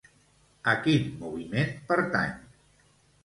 A quin moviment pertany?